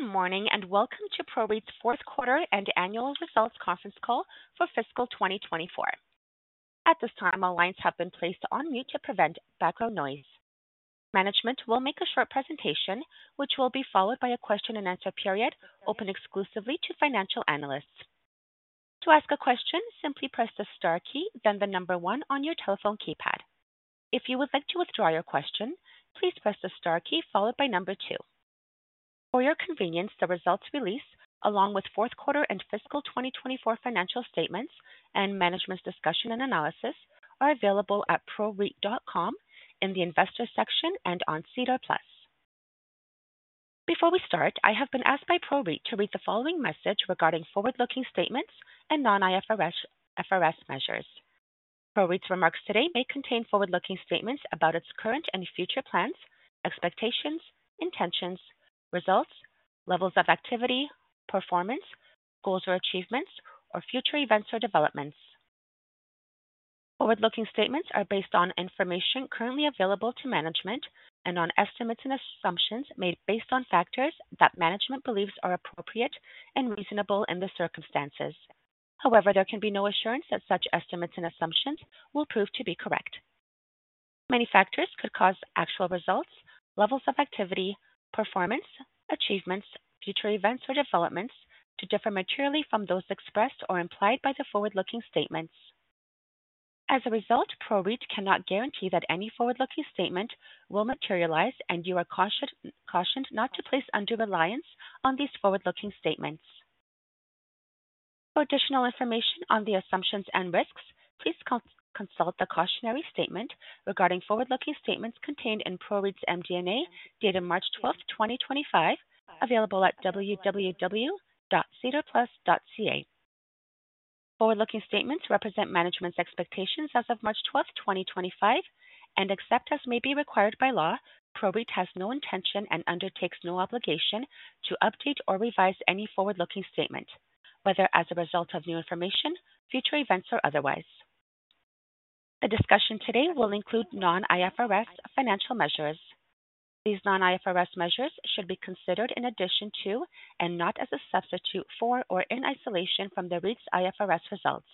Good morning and welcome to PROREIT's fourth quarter and annual results conference call for fiscal 2024. At this time, all lines have been placed on mute to prevent background noise. Management will make a short presentation, which will be followed by a question-and-answer period, open exclusively to financial analysts. To ask a question, simply press the star key, then the number one on your telephone keypad. If you would like to withdraw your question, please press the star key followed by number two. For your convenience, the results release, along with fourth quarter and fiscal 2024 financial statements and management's discussion and analysis, are available at proreit.com in the investor section and on SEDAR+. Before we start, I have been asked by PROREIT to read the following message regarding forward-looking statements and non-IFRS measures. PROREIT's remarks today may contain forward-looking statements about its current and future plans, expectations, intentions, results, levels of activity, performance, goals or achievements, or future events or developments. Forward-looking statements are based on information currently available to management and on estimates and assumptions made based on factors that management believes are appropriate and reasonable in the circumstances. However, there can be no assurance that such estimates and assumptions will prove to be correct. Many factors could cause actual results, levels of activity, performance, achievements, future events, or developments to differ materially from those expressed or implied by the forward-looking statements. As a result, PROREIT cannot guarantee that any forward-looking statement will materialize, and you are cautioned not to place undue reliance on these forward-looking statements. For additional information on the assumptions and risks, please consult the cautionary statement regarding forward-looking statements contained in PROREIT's MD&A dated March 12, 2025, available at www.sedarplus.ca. Forward-looking statements represent management's expectations as of March 12, 2025, and except as may be required by law, PROREIT has no intention and undertakes no obligation to update or revise any forward-looking statement, whether as a result of new information, future events, or otherwise. The discussion today will include non-IFRS financial measures. These non-IFRS measures should be considered in addition to and not as a substitute for or in isolation from the REIT's IFRS results.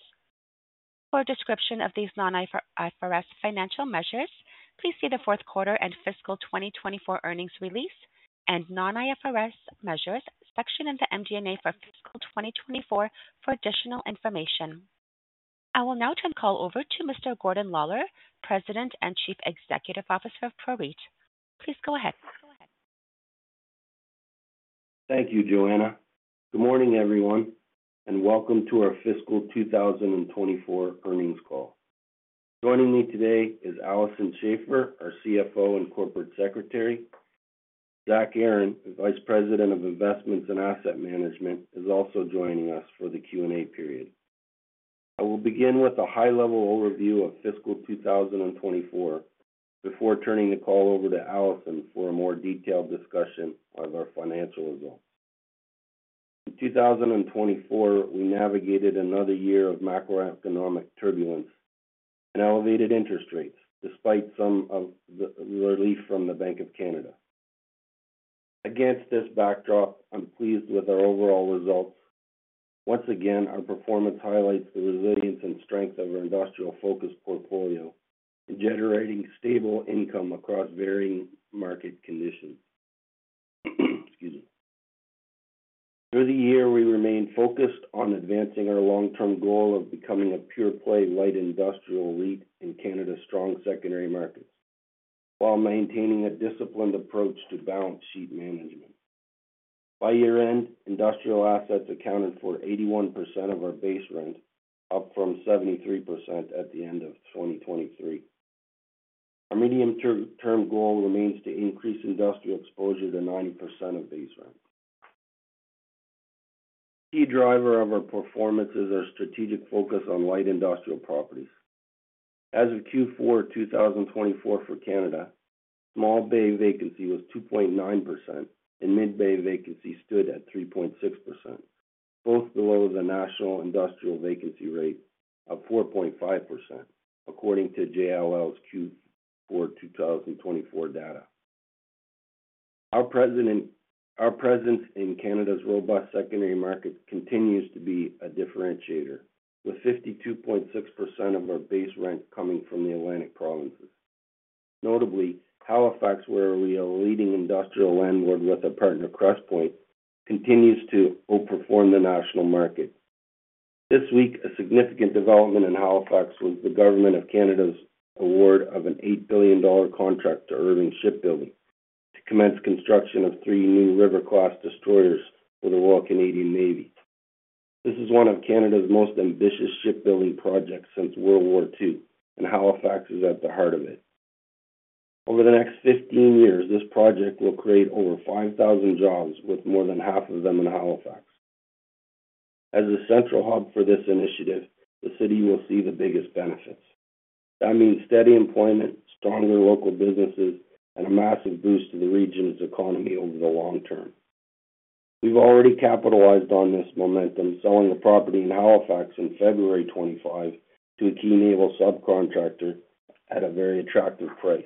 For a description of these non-IFRS financial measures, please see the fourth quarter and fiscal 2024 earnings release and non-IFRS measures section in the MD&A for fiscal 2024 for additional information. I will now turn the call over to Mr. Gordon Lawlor, President and Chief Executive Officer of PROREIT. Please go ahead. Thank you, Joanna. Good morning, everyone, and welcome to our fiscal 2024 earnings call. Joining me today is Alison Schafer, our CFO and Corporate Secretary. Zach Aaron, Vice President of Investments and Asset Management, is also joining us for the Q&A period. I will begin with a high-level overview of fiscal 2024 before turning the call over to Alison for a more detailed discussion of our financial results. In 2024, we navigated another year of macroeconomic turbulence and elevated interest rates despite some relief from the Bank of Canada. Against this backdrop, I'm pleased with our overall results. Once again, our performance highlights the resilience and strength of our industrial-focused portfolio, generating stable income across varying market conditions. Through the year, we remained focused on advancing our long-term goal of becoming a pure-play light industrial REIT in Canada's strong secondary markets while maintaining a disciplined approach to balance sheet management. By year-end, industrial assets accounted for 81% of our base rent, up from 73% at the end of 2023. Our medium-term goal remains to increase industrial exposure to 90% of base rent. The key driver of our performance is our strategic focus on light industrial properties. As of Q4 2024 for Canada, small bay vacancy was 2.9%, and mid-bay vacancy stood at 3.6%, both below the national industrial vacancy rate of 4.5%, according to JLL's Q4 2024 data. Our presence in Canada's robust secondary market continues to be a differentiator, with 52.6% of our base rent coming from the Atlantic provinces. Notably, Halifax, where we are a leading industrial landlord with our partner Crestpoint, continues to outperform the national market. This week, a significant development in Halifax was the Government of Canada's award of a 8 billion dollar contract to Irving Shipbuilding to commence construction of three new River-class destroyers for the Royal Canadian Navy. This is one of Canada's most ambitious shipbuilding projects since World War II, and Halifax is at the heart of it. Over the next 15 years, this project will create over 5,000 jobs, with more than half of them in Halifax. As the central hub for this initiative, the city will see the biggest benefits. That means steady employment, stronger local businesses, and a massive boost to the region's economy over the long term. We've already capitalized on this momentum, selling a property in Halifax in February 2025 to a key naval subcontractor at a very attractive price.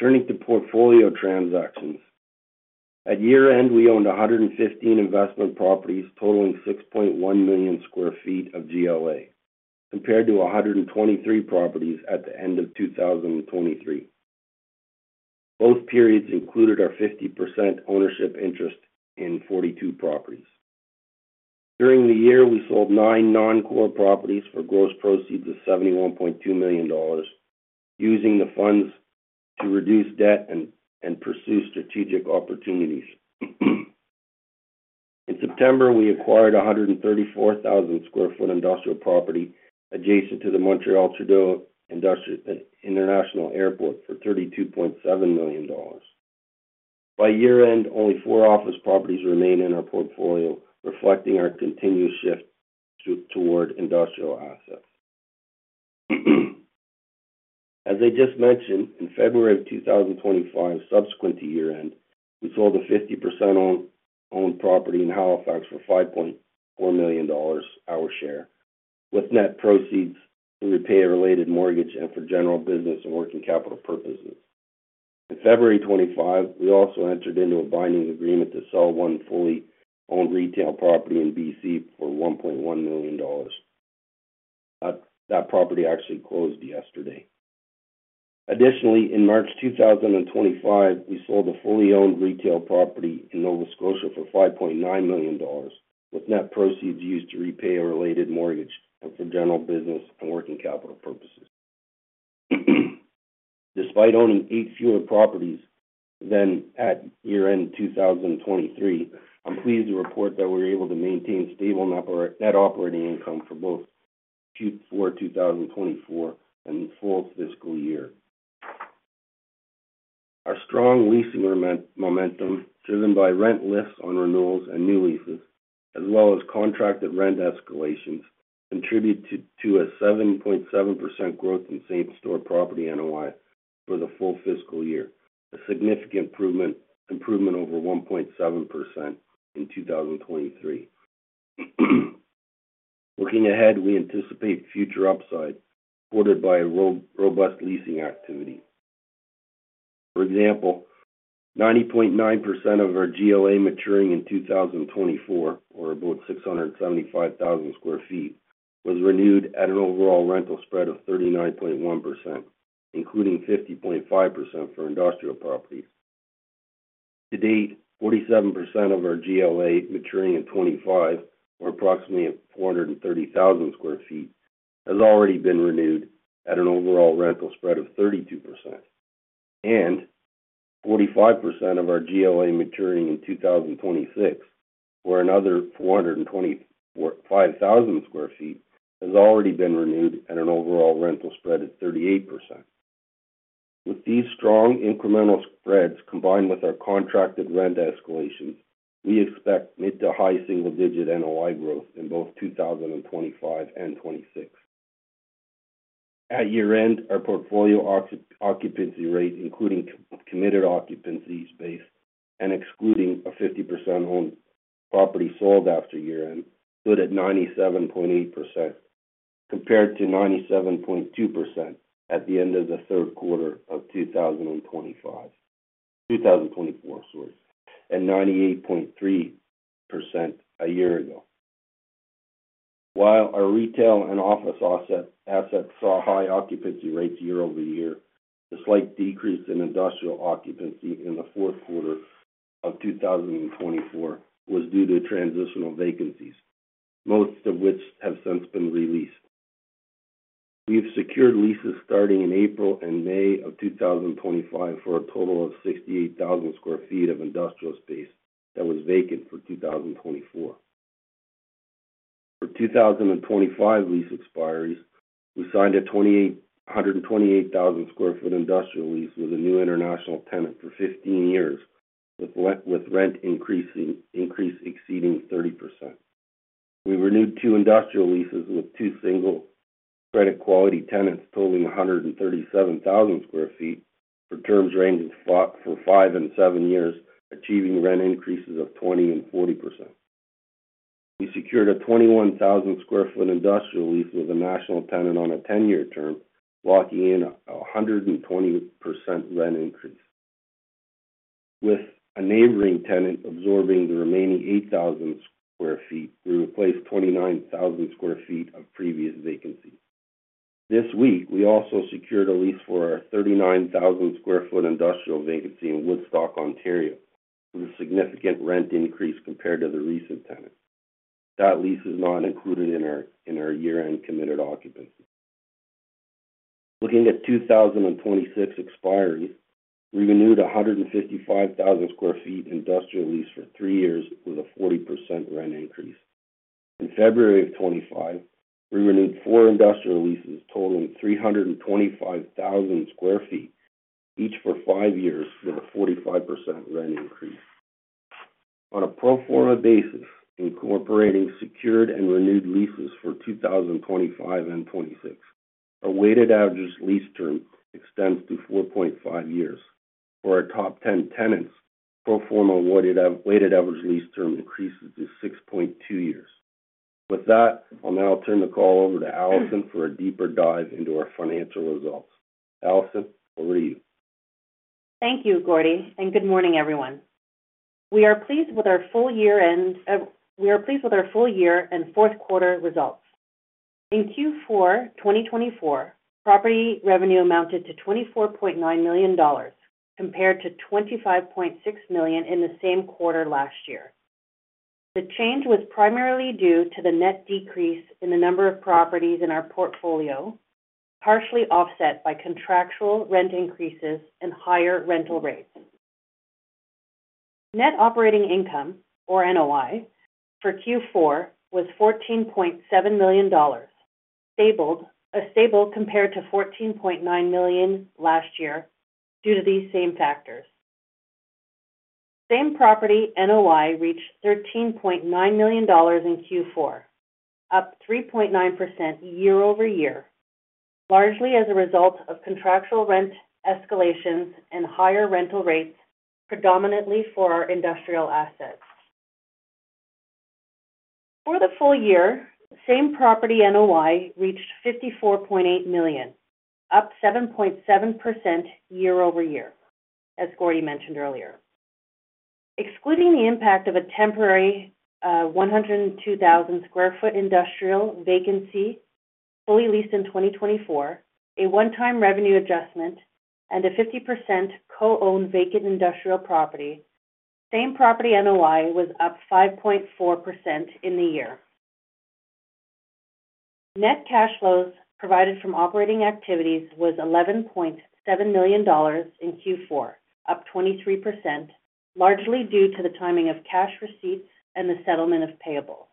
Turning to portfolio transactions, at year-end, we owned 115 investment properties totaling 6.1 million sq ft of GLA, compared to 123 properties at the end of 2023. Both periods included our 50% ownership interest in 42 properties. During the year, we sold nine non-core properties for 71.2 million dollars, using the funds to reduce debt and pursue strategic opportunities. In September, we acquired a 134,000 sq ft industrial property adjacent to the Montreal-Trudeau International Airport for 32.7 million dollars. By year-end, only four office properties remain in our portfolio, reflecting our continued shift toward industrial assets. As I just mentioned, in February of 2025, subsequent to year-end, we sold a 50% owned property in Halifax for 5.4 million dollars our share, with net proceeds to repay a related mortgage and for general business and working capital purposes. In February 2025, we also entered into a binding agreement to sell one fully owned retail property in BC for 1.1 million dollars. That property actually closed yesterday. Additionally, in March 2025, we sold a fully owned retail property in Nova Scotia for 5.9 million dollars, with net proceeds used to repay a related mortgage and for general business and working capital purposes. Despite owning eight fewer properties than at year-end 2023, I'm pleased to report that we were able to maintain stable net operating income for both Q4 2024 and full fiscal year. Our strong leasing momentum, driven by rent lifts on renewals and new leases, as well as contracted rent escalations, contributed to a 7.7% growth in same-store property NOI for the full fiscal year, a significant improvement over 1.7% in 2023. Looking ahead, we anticipate future upside supported by robust leasing activity. For example, 90.9% of our GLA maturing in 2024, or about 675,000 sq ft, was renewed at an overall rental spread of 39.1%, including 50.5% for industrial properties. To date, 47% of our GLA maturing in 2025, or approximately 430,000 sq ft, has already been renewed at an overall rental spread of 32%. Forty-five percent of our GLA maturing in 2026, or another 425,000 sq ft, has already been renewed at an overall rental spread of 38%. With these strong incremental spreads combined with our contracted rent escalations, we expect mid to high single-digit NOI growth in both 2025 and 2026. At year-end, our portfolio occupancy rate, including committed occupancies based and excluding a 50% owned property sold after year-end, stood at 97.8%, compared to 97.2% at the end of the third quarter of 2024, sorry, and 98.3% a year ago. While our retail and office assets saw high occupancy rates year over year, the slight decrease in industrial occupancy in the fourth quarter of 2024 was due to transitional vacancies, most of which have since been released. We've secured leases starting in April and May of 2025 for a total of 68,000 sq ft of industrial space that was vacant for 2024. For 2025 lease expiries, we signed a 128,000 sq ft industrial lease with a new international tenant for 15 years, with rent increase exceeding 30%. We renewed two industrial leases with two single credit quality tenants totaling 137,000 sq ft for terms ranging for five and seven years, achieving rent increases of 20% and 40%. We secured a 21,000 sq ft industrial lease with a national tenant on a 10-year term, locking in a 120% rent increase. With a neighboring tenant absorbing the remaining 8,000 sq ft, we replaced 29,000 sq ft of previous vacancy. This week, we also secured a lease for our 39,000 sq ft industrial vacancy in Woodstock, Ontario, with a significant rent increase compared to the recent tenant. That lease is not included in our year-end committed occupancy. Looking at 2026 expiries, we renewed 155,000 sq ft industrial lease for three years with a 40% rent increase. In February of 2025, we renewed four industrial leases totaling 325,000 sq ft, each for five years with a 45% rent increase. On a pro forma basis, incorporating secured and renewed leases for 2025 and 2026, our weighted average lease term extends to 4.5 years. For our top 10 tenants, pro forma weighted average lease term increases to 6.2 years. With that, I'll now turn the call over to Alison for a deeper dive into our financial results. Alison, over to you. Thank you, Gordon, and good morning, everyone. We are pleased with our full year and fourth quarter results. In Q4 2024, property revenue amounted to 24.9 million dollars, compared to 25.6 million in the same quarter last year. The change was primarily due to the net decrease in the number of properties in our portfolio, partially offset by contractual rent increases and higher rental rates. Net operating income, or NOI, for Q4 was 14.7 million dollars, stable compared to 14.9 million last year due to these same factors. Same property NOI reached 13.9 million dollars in Q4, up 3.9% year-over-year, largely as a result of contractual rent escalations and higher rental rates, predominantly for our industrial assets. For the full year, same property NOI reached 54.8 million, up 7.7% year-over-year, as Gordon mentioned earlier. Excluding the impact of a temporary 102,000 sq ft industrial vacancy fully leased in 2024, a one-time revenue adjustment, and a 50% co-owned vacant industrial property, same property NOI was up 5.4% in the year. Net cash flows provided from operating activities was 11.7 million dollars in Q4, up 23%, largely due to the timing of cash receipts and the settlement of payables.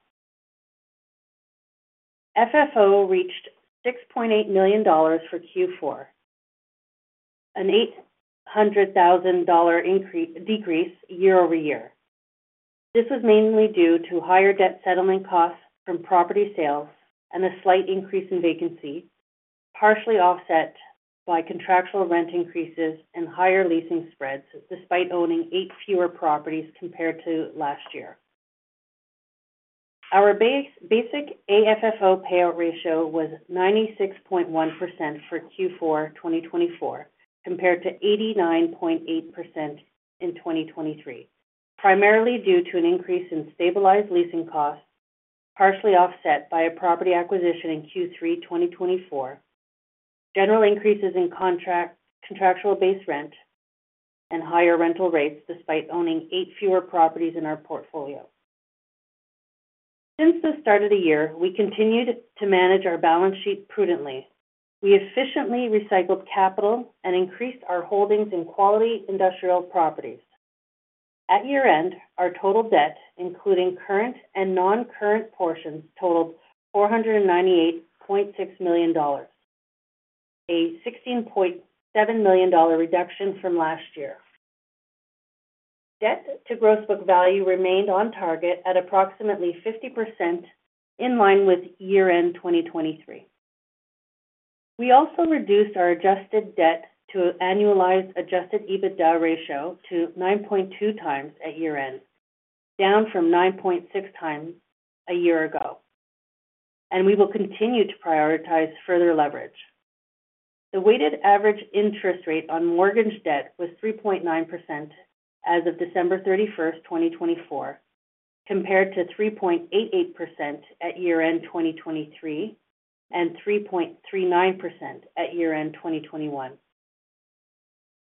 FFO reached 6.8 million dollars for Q4, a 800,000 dollar decrease year over year. This was mainly due to higher debt settlement costs from property sales and a slight increase in vacancy, partially offset by contractual rent increases and higher leasing spreads, despite owning eight fewer properties compared to last year. Our basic AFFO payout ratio was 96.1% for Q4 2024, compared to 89.8% in 2023, primarily due to an increase in stabilized leasing costs, partially offset by a property acquisition in Q3 2024, general increases in contractual base rent, and higher rental rates, despite owning eight fewer properties in our portfolio. Since the start of the year, we continued to manage our balance sheet prudently. We efficiently recycled capital and increased our holdings in quality industrial properties. At year-end, our total debt, including current and non-current portions, totaled 498.6 million dollars, a 16.7 million dollar reduction from last year. Debt to gross book value remained on target at approximately 50%, in line with year-end 2023. We also reduced our adjusted debt to annualized adjusted EBITDA ratio to 9.2x at year-end, down from 9.6x a year ago. We will continue to prioritize further leverage. The weighted average interest rate on mortgage debt was 3.9% as of December 31st, 2024, compared to 3.88% at year-end 2023 and 3.39% at year-end 2021.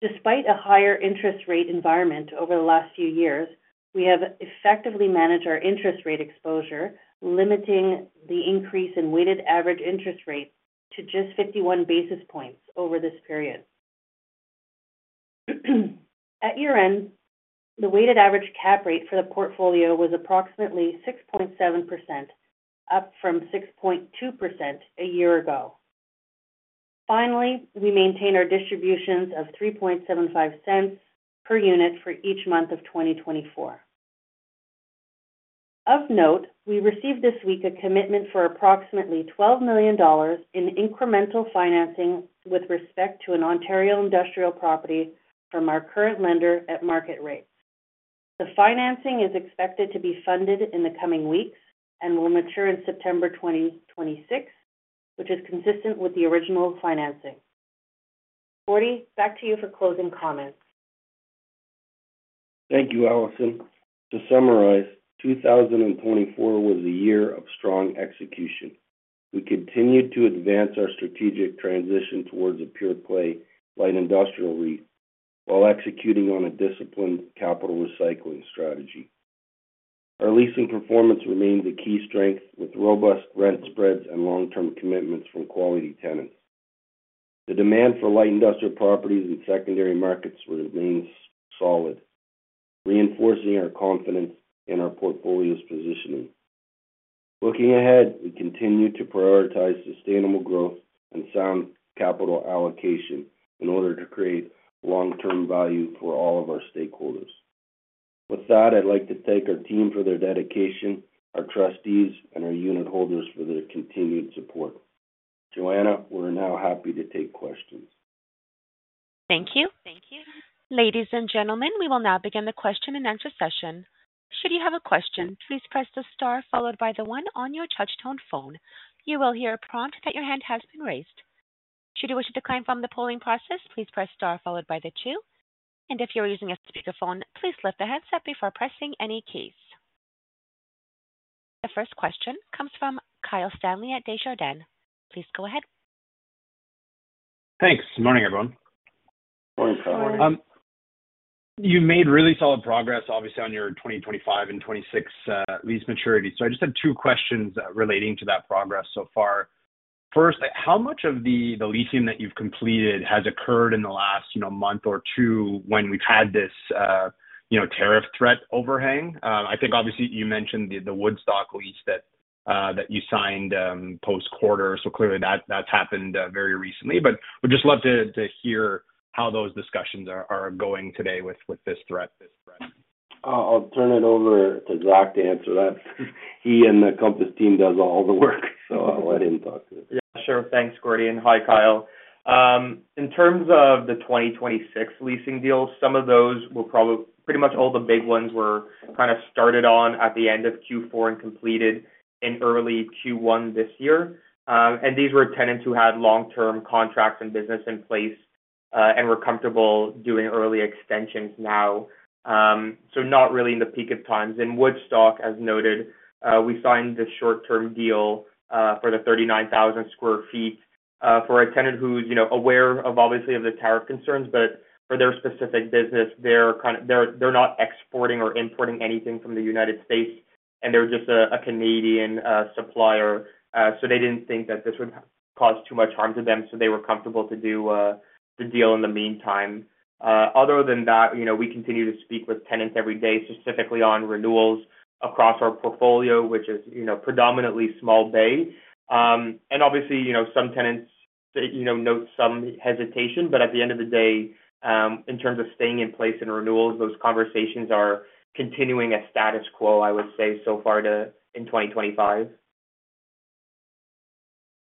Despite a higher interest rate environment over the last few years, we have effectively managed our interest rate exposure, limiting the increase in weighted average interest rate to just 51 basis points over this period. At year-end, the weighted average cap rate for the portfolio was approximately 6.7%, up from 6.2% a year ago. Finally, we maintain our distributions of 0.0375 per unit for each month of 2024. Of note, we received this week a commitment for approximately 12 million dollars in incremental financing with respect to an Ontario industrial property from our current lender at market rates. The financing is expected to be funded in the coming weeks and will mature in September 2026, which is consistent with the original financing. Gordon, back to you for closing comments. Thank you, Alison. To summarize, 2024 was a year of strong execution. We continued to advance our strategic transition towards a pure-play light industrial REIT while executing on a disciplined capital recycling strategy. Our leasing performance remained a key strength, with robust rent spreads and long-term commitments from quality tenants. The demand for light industrial properties in secondary markets remains solid, reinforcing our confidence in our portfolio's positioning. Looking ahead, we continue to prioritize sustainable growth and sound capital allocation in order to create long-term value for all of our stakeholders. With that, I'd like to thank our team for their dedication, our trustees, and our unitholders for their continued support. Joanna, we're now happy to take questions. Thank you. Thank you. Ladies and gentlemen, we will now begin the question and answer session. Should you have a question, please press the star followed by the one on your touch-tone phone. You will hear a prompt that your hand has been raised. Should you wish to decline from the polling process, please press star followed by the two. If you're using a speakerphone, please lift the headset before pressing any keys. The first question comes from Kyle Stanley at Desjardins. Please go ahead. Thanks. Good morning, everyone. Morning, Kyle. Morning. You've made really solid progress, obviously, on your 2025 and 2026 lease maturity. I just had two questions relating to that progress so far. First, how much of the leasing that you've completed has occurred in the last month or two when we've had this tariff threat overhang? I think, obviously, you mentioned the Woodstock lease that you signed post-quarter. Clearly, that's happened very recently. We'd just love to hear how those discussions are going today with this threat. I'll turn it over to Zach to answer that. He and the Compass team do all the work, so I'll let him talk to it. Yeah. Sure. Thanks, Gordon. Hi, Kyle. In terms of the 2026 leasing deals, some of those were pretty much all the big ones were kind of started on at the end of Q4 and completed in early Q1 this year. These were tenants who had long-term contracts and business in place and were comfortable doing early extensions now. Not really in the peak of times. In Woodstock, as noted, we signed the short-term deal for the 39,000 sq ft for a tenant who's aware of, obviously, the tariff concerns. For their specific business, they're not exporting or importing anything from the United States, and they're just a Canadian supplier. They did not think that this would cause too much harm to them, so they were comfortable to do the deal in the meantime. Other than that, we continue to speak with tenants every day, specifically on renewals across our portfolio, which is predominantly small bay. Obviously, some tenants note some hesitation. At the end of the day, in terms of staying in place and renewals, those conversations are continuing a status quo, I would say, so far in 2025.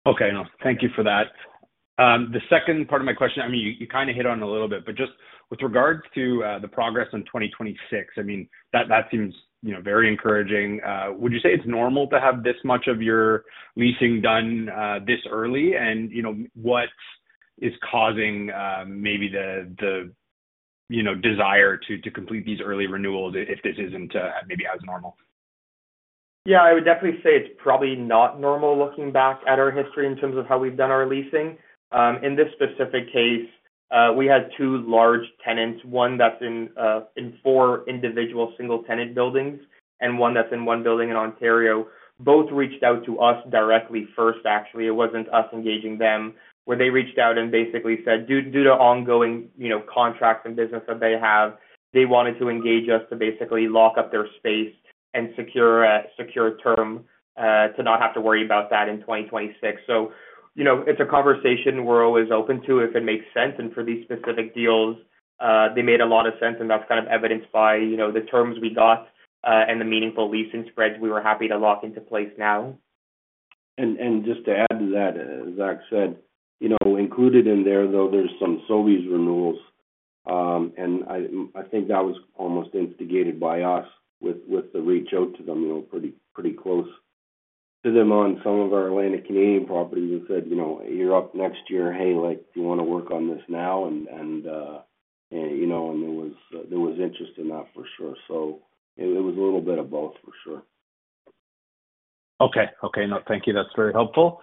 Okay. Thank you for that. The second part of my question, I mean, you kind of hit on it a little bit, but just with regard to the progress in 2026, I mean, that seems very encouraging. Would you say it's normal to have this much of your leasing done this early? What is causing maybe the desire to complete these early renewals if this isn't maybe as normal? Yeah. I would definitely say it's probably not normal looking back at our history in terms of how we've done our leasing. In this specific case, we had two large tenants, one that's in four individual single-tenant buildings and one that's in one building in Ontario. Both reached out to us directly first, actually. It wasn't us engaging them, where they reached out and basically said, due to ongoing contracts and business that they have, they wanted to engage us to basically lock up their space and secure a term to not have to worry about that in 2026. It is a conversation we're always open to if it makes sense. For these specific deals, they made a lot of sense. That is kind of evidenced by the terms we got and the meaningful leasing spreads we were happy to lock into place now. Just to add to that, as Zach said, included in there, though, there are some Sobeys renewals. I think that was almost instigated by us with the reach out to them. Pretty close to them on some of our Atlantic Canadian properties and said, "You're up next year. Hey, do you want to work on this now?" There was interest in that, for sure. It was a little bit of both, for sure. Okay. Okay. No, thank you. That's very helpful.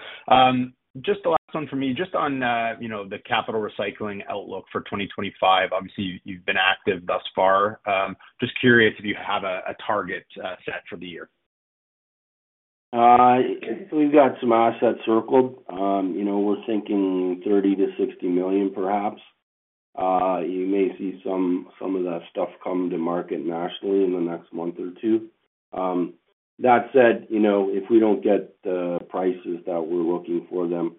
Just the last one for me. Just on the capital recycling outlook for 2025, obviously, you've been active thus far. Just curious if you have a target set for the year. We've got some assets circled. We're thinking 30 million-60 million, perhaps. You may see some of that stuff come to market nationally in the next month or two. That said, if we don't get the prices that we're looking for them,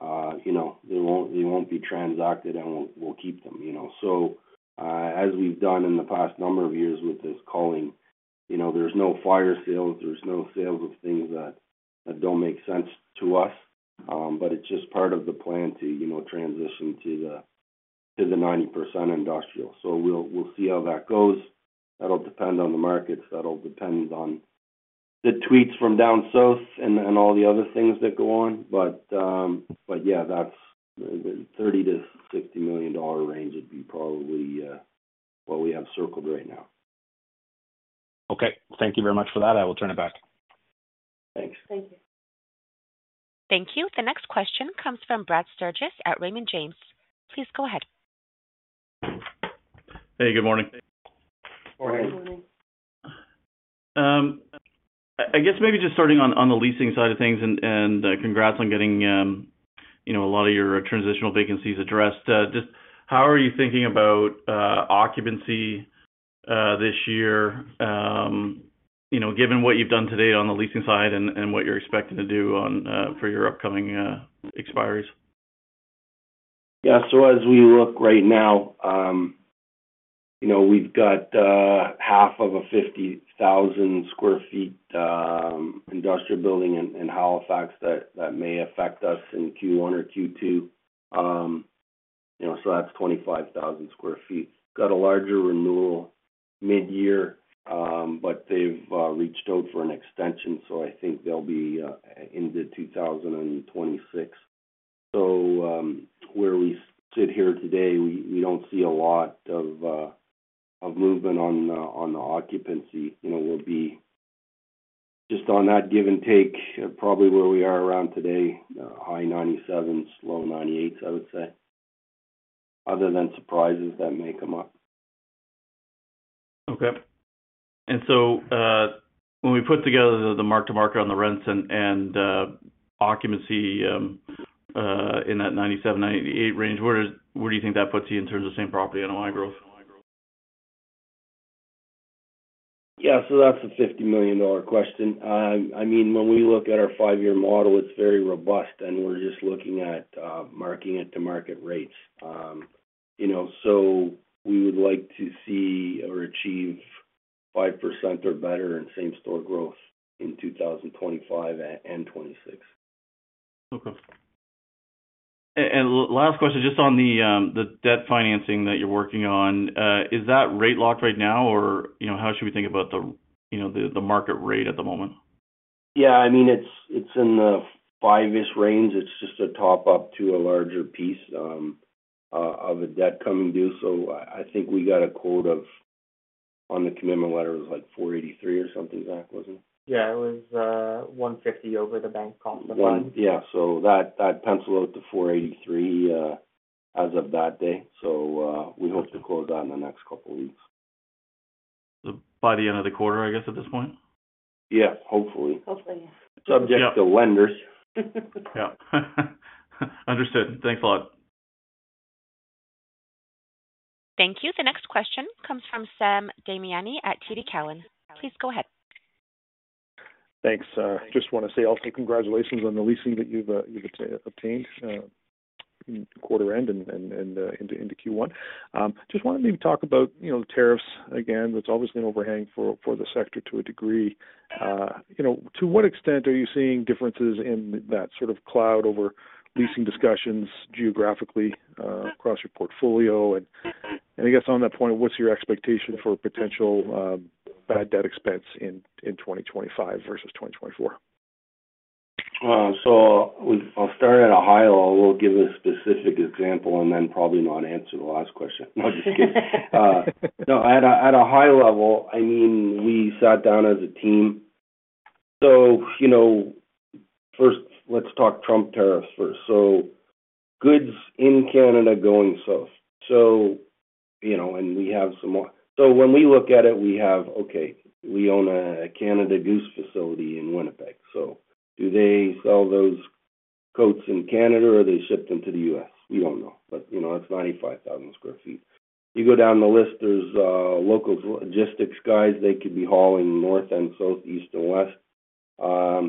they won't be transacted, and we'll keep them. As we've done in the past number of years with this calling, there's no fire sales. There's no sales of things that don't make sense to us. It's just part of the plan to transition to the 90% industrial. We'll see how that goes. That'll depend on the markets. That'll depend on the tweets from down south and all the other things that go on. Yeah, that's the 30 million-60 million dollar range would be probably what we have circled right now. Okay. Thank you very much for that. I will turn it back. Thanks. Thank you. Thank you. The next question comes from Brad Sturges at Raymond James. Please go ahead. Hey, good morning. Good morning. I guess maybe just starting on the leasing side of things, and congrats on getting a lot of your transitional vacancies addressed. Just how are you thinking about occupancy this year, given what you've done today on the leasing side and what you're expecting to do for your upcoming expiries? Yeah. As we look right now, we've got half of a 50,000 sq ft industrial building in Halifax that may affect us in Q1 or Q2. That's 25,000 sq ft. Got a larger renewal mid-year, but they've reached out for an extension. I think they'll be into 2026. Where we sit here today, we don't see a lot of movement on the occupancy. We'll be just on that give and take, probably where we are around today, high 97%-low 98%, I would say, other than surprises that may come up. Okay. When we put together the mark-to-market on the rents and occupancy in that 97%-98% range, where do you think that puts you in terms of same property NOI growth? Yeah. That's a 50 million dollar question. I mean, when we look at our five-year model, it's very robust, and we're just looking at marking it to market rates. We would like to see or achieve 5% or better in same-store growth in 2025 and 2026. Okay. Last question, just on the debt financing that you're working on, is that rate locked right now, or how should we think about the market rate at the moment? Yeah. I mean, it's in the 5-ish range. It's just a top-up to a larger piece of a debt coming due. I think we got a quote of, on the commitment letter, was like 4.83 or something, Zach, wasn't it? Yeah. It was 150 over the Bank of Canada bond. Yeah. That pencils out to 4.83 as of that day. We hope to close out in the next couple of weeks. By the end of the quarter, I guess, at this point? Yeah. Hopefully. Hopefully, yeah. Subject to lenders. Yeah. Understood. Thanks a lot. Thank you. The next question comes from Sam Damiani at TD Cowen. Please go ahead. Thanks. Just want to say also congratulations on the leasing that you've obtained in quarter end and into Q1. Just want to maybe talk about the tariffs again. That's obviously an overhang for the sector to a degree. To what extent are you seeing differences in that sort of cloud over leasing discussions geographically across your portfolio? I guess on that point, what's your expectation for potential bad debt expense in 2025 versus 2024? I'll start at a high level. I'll give a specific example and then probably not answer the last question. No, just kidding. No, at a high level, I mean, we sat down as a team. First, let's talk Trump tariffs first. Goods in Canada going south. We have some more. When we look at it, we have, okay, we own a Canada Goose facility in Winnipeg. Do they sell those coats in Canada, or are they shipped into the U.S.? We don't know. That's 95,000 sq ft. You go down the list, there's local logistics guys. They could be hauling north and southeast and west.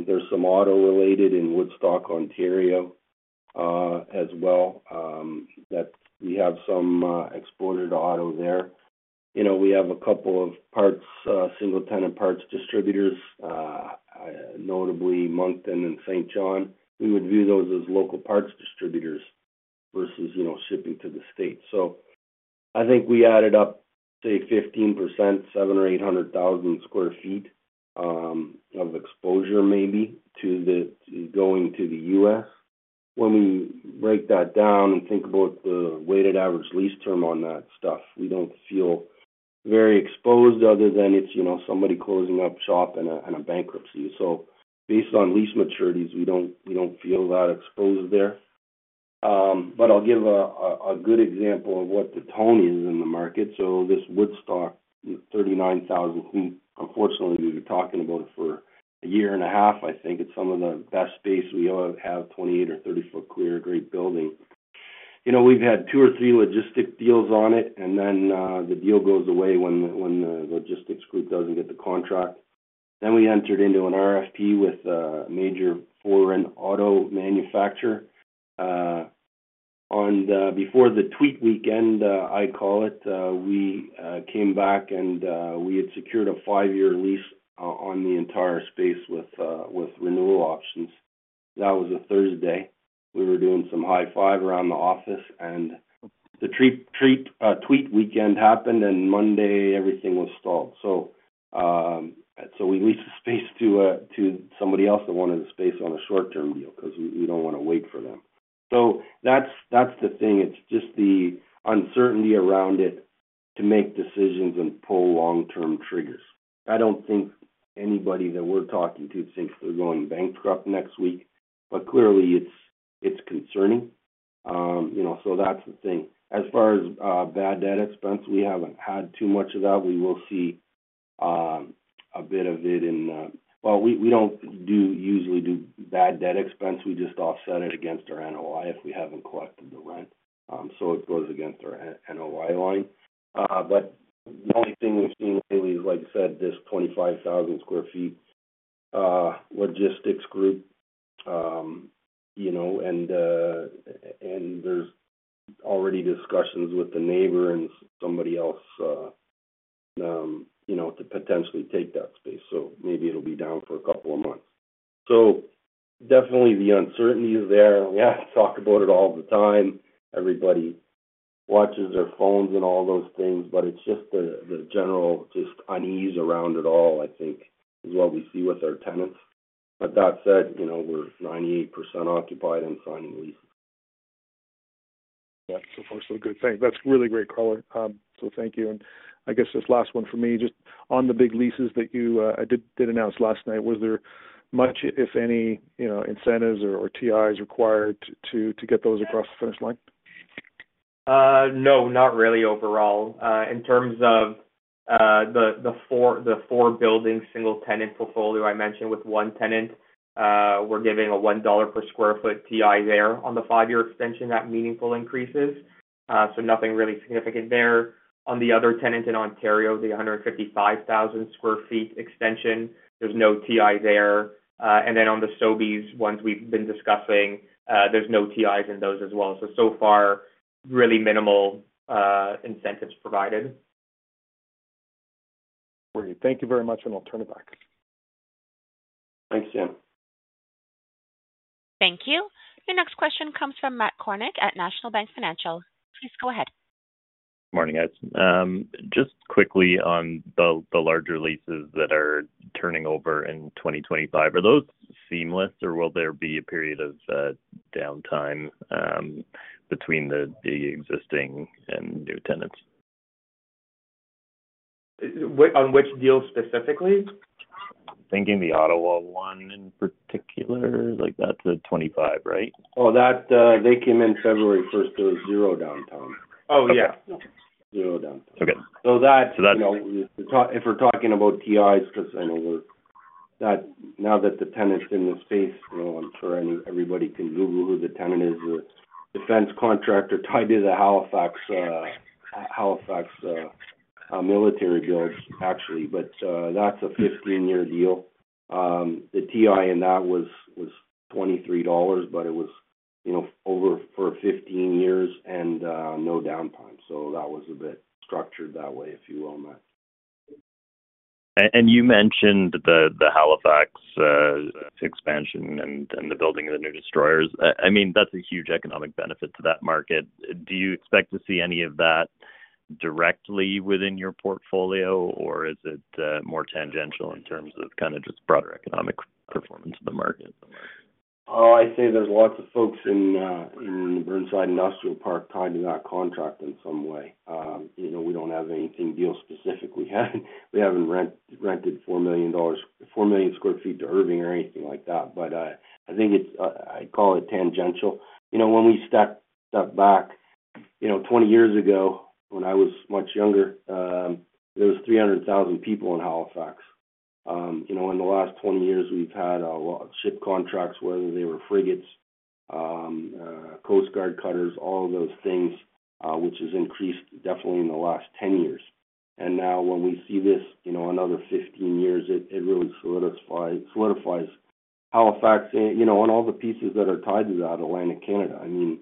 There's some auto-related in Woodstock, Ontario as well. We have some exported auto there. We have a couple of single-tenant parts distributors, notably Moncton and Saint John. We would view those as local parts distributors versus shipping to the States. I think we added up, say, 15%, 700,000 or 800,000 sq ft of exposure maybe to going to the U.S. When we break that down and think about the weighted average lease term on that stuff, we do not feel very exposed other than if somebody is closing up shop and a bankruptcy. Based on lease maturities, we do not feel that exposed there. I will give a good example of what the tone is in the market. This Woodstock, 39,000 sq ft, unfortunately, we were talking about it for a year and a half, I think, as some of the best space we have, 28 or 30-foot clear, great building. We have had two or three logistics deals on it, and then the deal goes away when the logistics group does not get the contract. We entered into an RFP with a major foreign auto manufacturer. Before the tweet weekend, I call it, we came back and we had secured a five-year lease on the entire space with renewal options. That was a Thursday. We were doing some high five around the office, and the tweet weekend happened, and Monday, everything was stalled. We leased the space to somebody else that wanted the space on a short-term deal because we do not want to wait for them. That is the thing. It is just the uncertainty around it to make decisions and pull long-term triggers. I do not think anybody that we are talking to thinks they are going bankrupt next week. Clearly, it is concerning. That is the thing. As far as bad debt expense, we have not had too much of that. We will see a bit of it in, we do not usually do bad debt expense. We just offset it against our NOI if we have not collected the rent. It goes against our NOI line. The only thing we have seen lately is, like I said, this 25,000 sq ft logistics group. There are already discussions with the neighbor and somebody else to potentially take that space. Maybe it will be down for a couple of months. Definitely, the uncertainty is there. We have to talk about it all the time. Everybody watches their phones and all those things. It is just the general unease around it all, I think, is what we see with our tenants. That said, we are 98% occupied and signing leases. Yeah. So far so good. Thanks. That's really great color. So thank you. I guess this last one for me, just on the big leases that you did announce last night, was there much, if any, incentives or TIs required to get those across the finish line? No, not really overall. In terms of the four-building single-tenant portfolio I mentioned with one tenant, we're giving a 1 dollar per sq ft TI there on the five-year extension. That meaningful increases. Nothing really significant there. On the other tenant in Ontario, the 155,000 sq ft extension, there's no TI there. On the Sobeys ones we've been discussing, there's no TIs in those as well. So far, really minimal incentives provided. Great. Thank you very much, and I'll turn it back. Thanks, Sam. Thank you. The next question comes from Matt Kornack at National Bank Financial. Please go ahead. Morning, guys. Just quickly on the larger leases that are turning over in 2025, are those seamless, or will there be a period of downtime between the existing and new tenants? On which deal specifically? Thinking the Ottawa one in particular, like that's a 2025, right? Oh, they came in February 1st. There was zero downtime. Oh, yeah. Zero downtime. Okay. So that's. If we're talking about TIs, because I know now that the tenant's in the space, I'm sure everybody can Google who the tenant is, the defense contractor tied to the Halifax military builds, actually. That is a 15-year deal. The TI in that was 23 dollars, but it was over for 15 years and no downtime. That was a bit structured that way, if you will, Matt. You mentioned the Halifax expansion and the building of the new destroyers. I mean, that's a huge economic benefit to that market. Do you expect to see any of that directly within your portfolio, or is it more tangential in terms of kind of just broader economic performance of the market? Oh, I'd say there's lots of folks in the Burnside Industrial Park tied to that contract in some way. We don't have anything deal specific. We haven't rented 4 million sq ft to Irving or anything like that. I think it's, I call it tangential. When we step back, 20 years ago, when I was much younger, there were 300,000 people in Halifax. In the last 20 years, we've had a lot of ship contracts, whether they were frigates, Coast Guard cutters, all of those things, which has increased definitely in the last 10 years. Now when we see this another 15 years, it really solidifies Halifax and all the pieces that are tied to that Atlantic Canada. I mean,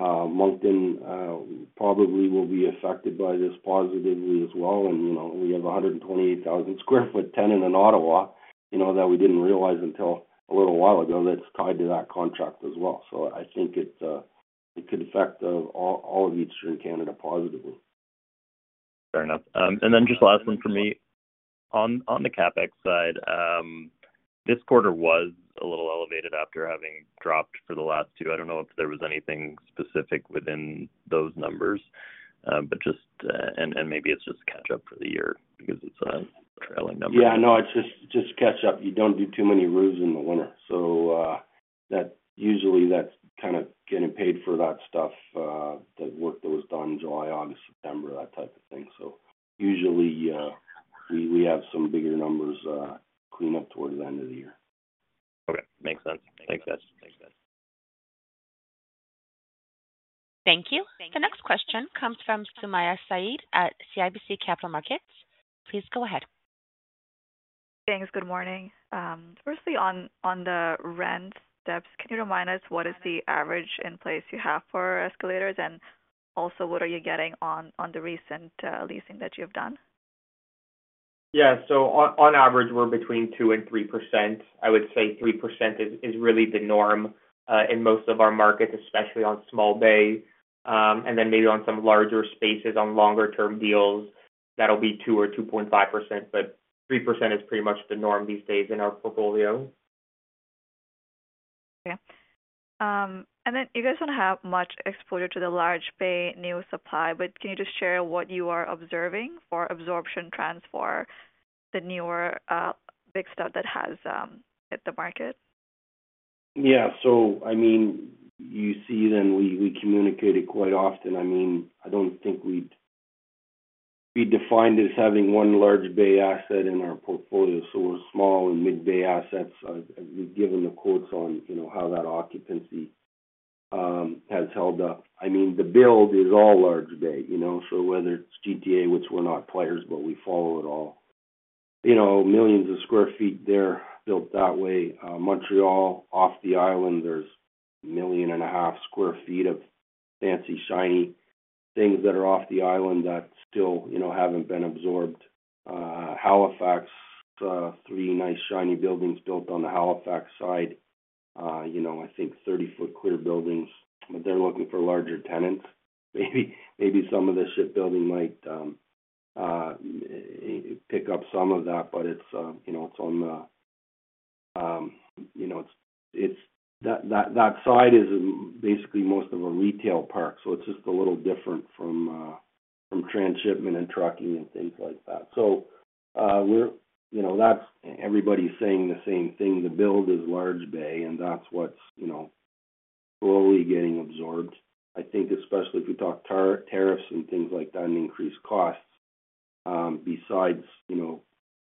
Moncton probably will be affected by this positively as well. We have a 128,000 sq ft tenant in Ottawa that we did not realize until a little while ago is tied to that contract as well. I think it could affect all of Eastern Canada positively. Fair enough. Just last one for me. On the CapEx side, this quarter was a little elevated after having dropped for the last two. I don't know if there was anything specific within those numbers, but just and maybe it's just catch-up for the year because it's a trailing number. Yeah. No, it's just catch-up. You don't do too many roofs in the winter. Usually, that's kind of getting paid for that stuff, that work that was done July, August, September, that type of thing. Usually, we have some bigger numbers clean up towards the end of the year. Okay. Makes sense. Thanks, guys. Thank you. The next question comes from Sumayya Syed at CIBC Capital Markets. Please go ahead. Thanks. Good morning. Firstly, on the rent steps, can you remind us what is the average in place you have for escalators? Also, what are you getting on the recent leasing that you've done? Yeah. On average, we're between 2% and 3%. I would say 3% is really the norm in most of our markets, especially on small bay. Then maybe on some larger spaces, on longer-term deals, that'll be 2% or 2.5%. 3% is pretty much the norm these days in our portfolio. Okay. You guys do not have much exposure to the large bay new supply, but can you just share what you are observing for absorption trends for the newer big stuff that has hit the market? Yeah. I mean, you see then we communicate it quite often. I mean, I do not think we would be defined as having one large bay asset in our portfolio. We are small and mid-bay assets, given the quotes on how that occupancy has held up. I mean, the build is all large bay. Whether it is GTA, which we are not players, but we follow it all. Millions of square feet there built that way. Montreal, off the island, there is a 1,500,000 sq ft of fancy, shiny things that are off the island that still have not been absorbed. Halifax, three nice, shiny buildings built on the Halifax side, I think 30-foot clear buildings. They are looking for larger tenants. Maybe some of the shipbuilding might pick up some of that, but on that side it is basically most of a retail park. It is just a little different from transshipment and trucking and things like that. That is everybody saying the same thing. The build is large bay, and that is what is slowly getting absorbed. I think especially if we talk tariffs and things like that and increased costs, besides I do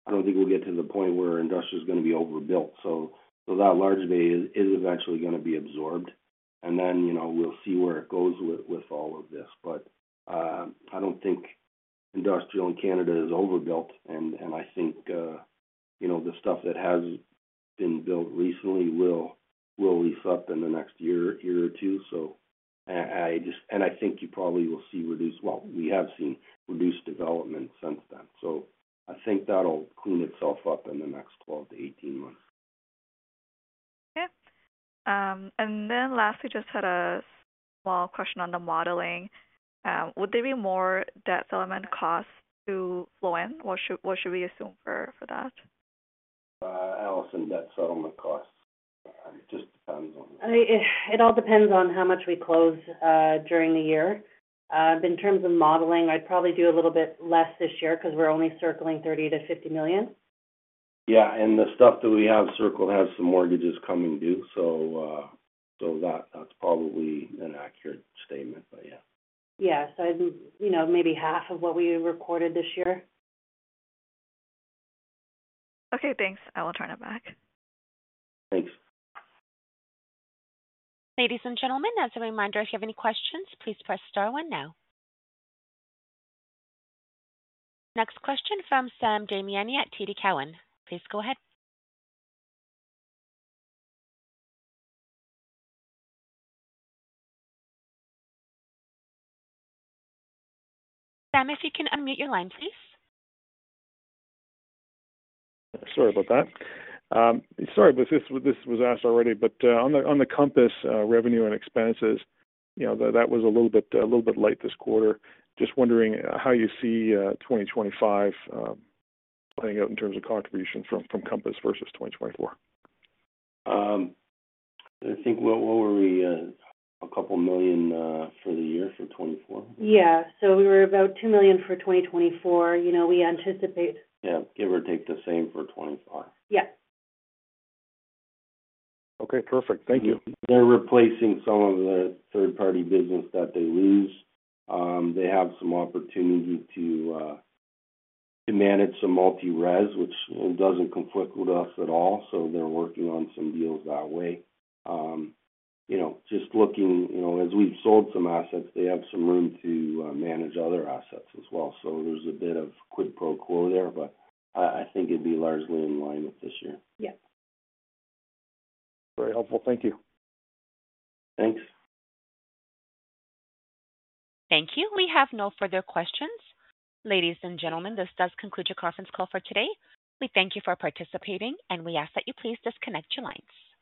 not think we will get to the point where industrial is going to be overbuilt. That large bay is eventually going to be absorbed. We will see where it goes with all of this. I do not think industrial in Canada is overbuilt. I think the stuff that has been built recently will lease up in the next year or two. I think you probably will see reduced, well, we have seen reduced development since then. I think that will clean itself up in the next 12-18 months. Okay. Last, we just had a small question on the modeling. Would there be more debt settlement costs to flow in? What should we assume for that? Alison, debt settlement costs. It just depends on the. It all depends on how much we close during the year. In terms of modeling, I'd probably do a little bit less this year because we're only circling 30 million-50 million. Yeah. The stuff that we have circled has some mortgages coming due. So that's probably an accurate statement, but yeah. Yeah. Maybe half of what we recorded this year. Okay. Thanks. I will turn it back. Thanks. Ladies and gentlemen, as a reminder, if you have any questions, please press star one now. Next question from Sam Damiani at TD Cowen. Please go ahead. Sam, if you can unmute your line, please. Sorry about that. Sorry, this was asked already. On the Compass revenue and expenses, that was a little bit light this quarter. Just wondering how you see 2025 playing out in terms of contribution from Compass versus 2024. I think what were we? A couple million for the year for 2024? Yeah. We were about 2 million for 2024. We anticipate. Yeah. Give or take the same for 2025. Yeah. Okay. Perfect. Thank you. They're replacing some of the third-party business that they lose. They have some opportunity to manage some multi-res, which doesn't conflict with us at all. They're working on some deals that way. Just looking, as we've sold some assets, they have some room to manage other assets as well. There's a bit of quid pro quo there, but I think it'd be largely in line with this year. Yeah. Very helpful. Thank you. Thanks. Thank you. We have no further questions. Ladies and gentlemen, this does conclude your conference call for today. We thank you for participating, and we ask that you please disconnect your lines.